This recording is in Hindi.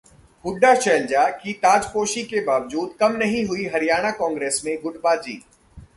हुड्डा-शैलजा की ताजपोशी के बावजूद कम नहीं हुई हरियाणा कांग्रेस में गुटबाजी